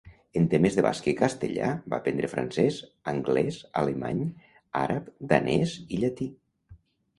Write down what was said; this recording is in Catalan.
Endemés de basc i castellà, va aprendre francès, anglès, alemany, àrab, danès i llatí.